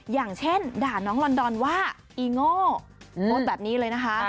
อย่างเช่นด่าน้องลอนดอนว่าอีโง่โพสต์แบบนี้เลยนะคะ